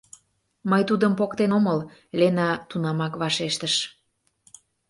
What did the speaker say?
— Мый тудым поктен омыл, — Лена тунамак вашештыш.